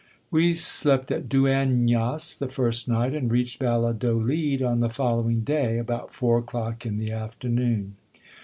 We slept at Duengnas the first night, and reached Valladolid on the following day, about four o'clock in the afternoon.